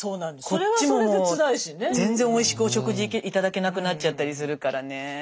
こっちも全然おいしくお食事頂けなくなっちゃったりするからね。